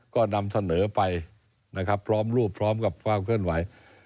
ก็นำเสนอไปนะครับพร้อมรูปพร้อมกับความเคลื่อนไหว